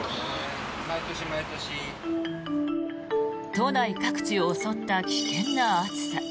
都内各地を襲った危険な暑さ。